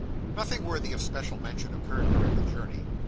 Nothing worthy of special mention occurred during the journey.